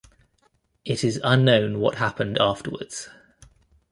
It is unknown what happened afterwards.